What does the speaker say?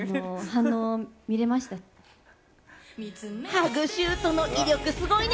ハグシュートの威力、すごいね！